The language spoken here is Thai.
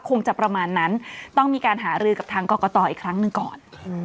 คงจะประมาณนั้นต้องมีการหารือกับทางกรกตอีกครั้งหนึ่งก่อน